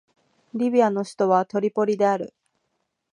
リビアの首都はトリポリである